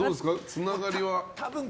つながりは。